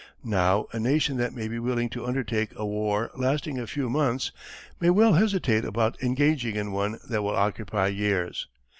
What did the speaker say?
Now, a nation that may be willing to undertake a war lasting a few months may well hesitate about engaging in one that will occupy years.